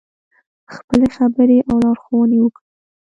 خپلې خبرې او لارښوونې وکړې.